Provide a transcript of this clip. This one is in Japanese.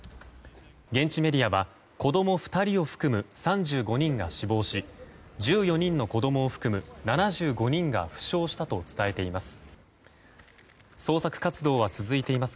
現地メディアは子供２人を含む３５人が死亡し１４人の子供を含む７５人が負傷したと伝えています。